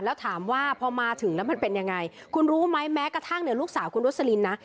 แล้วถามว่าพอมาถึงแล้วมันเป็นยังไงคุณรู้ไหมแม้กระทั่งเนี่ยลูกสาวคุณรสลินนะ